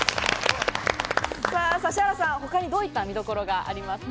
指原さん、他にどういった見どころがありますか？